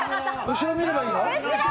後ろ見ればいいの？